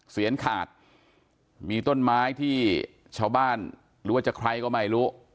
เสียนขาดมีต้นไม้ที่ชาวบ้านหรือว่าจะใครก็ไม่รู้